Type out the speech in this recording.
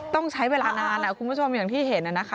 ต้องใช้เวลานานเหมือนที่เห็นนะคะ